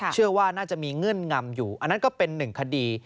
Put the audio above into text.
เชื่อว่าน่าจะมีเงื่อนงำอยู่อันนั้นก็เป็นหนึ่งคดี